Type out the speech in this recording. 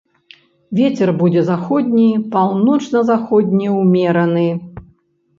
Вецер будзе заходні, паўночна-заходні ўмераны.